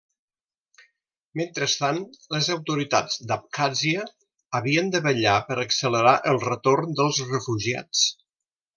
Mentrestant, les autoritats d'Abkhàzia havien de vetllar per accelerar el retorn dels refugiats.